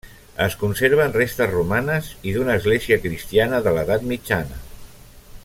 Es conserven restes romanes i d'una església cristiana de l'edat mitjana.